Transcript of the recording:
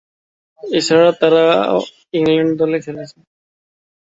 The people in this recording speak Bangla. এছাড়াও তারা ইংল্যান্ড দলে খেলেছেন।